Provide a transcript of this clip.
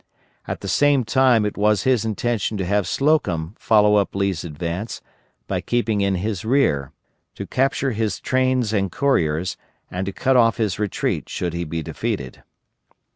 At the same time it was his intention to have Slocum follow up Lee's advance, by keeping in his rear, to capture his trains and couriers, and to cut off his retreat should he be defeated.